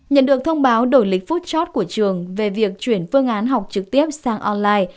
nhận được thông báo đổi lịch phút chót của trường về việc chuyển phương án học trực tiếp sang online